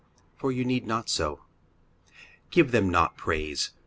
For you need not so. Give them not praise.